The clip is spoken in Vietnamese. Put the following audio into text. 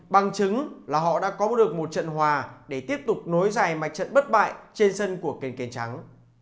bằng chứng là họ đã có được một trận hòa để tiếp tục nối dài mạch trận bất bại trên sân của kênh kè trắng